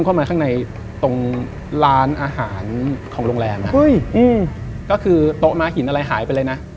เข้ามาข้างในตรงร้านอาหารของโรงแรมอ่ะก็คือโต๊ะม้าหินอะไรหายไปเลยนะ